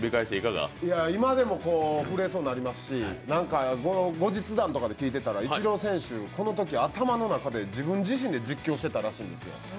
今でも震えそうになりますし、後日談とかで聞いてたら、イチロー選手、このとき頭の中で自分自身で実況してたらしいんですよ。